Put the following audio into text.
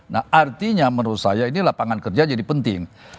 nah artinya menurut saya ini lapangan kerja jadi penting